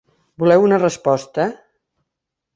Voleu una resposta?